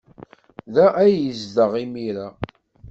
Da ay yezdeɣ imir-a.